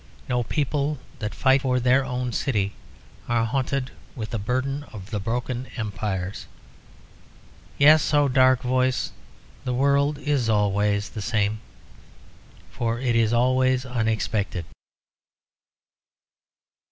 No people that fight for their own city are haunted with the burden of the broken empires. Yes, O dark voice, the world is always the same, for it is always unexpected."